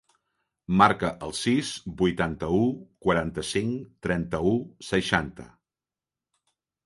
Marca el sis, vuitanta-u, quaranta-cinc, trenta-u, seixanta.